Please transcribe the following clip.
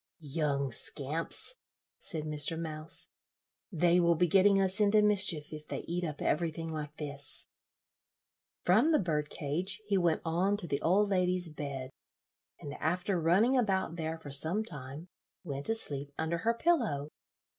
"Young scamps," said Mr. Mouse, "they will be getting us into mischief if they eat up everything like this." From the bird cage he went on to the old lady's bed, and after running about there for some time, went to sleep under her pillow.